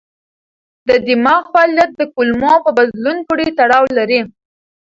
د دماغ فعالیت د کولمو په بدلون پورې تړاو لري.